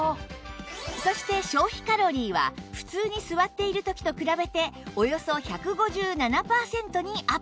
そして消費カロリーは普通に座っている時と比べておよそ１５７パーセントにアップ